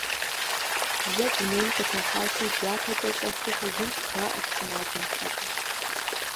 Зэ дунейм къытехьащи, дяпэкӀэ щӀэхыу хъужынщ, – жаӀэрт сымаджэм щхьэкӀэ.